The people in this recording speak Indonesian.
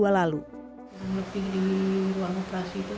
yang lebih di ruang operasi itu